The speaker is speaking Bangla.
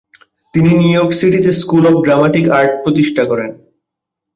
তিনি নিউ ইয়র্ক সিটিতে স্কুল অব ড্রামাটিক আর্ট প্রতিষ্ঠা করেন।